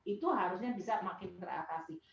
itu harusnya bisa makin teratasi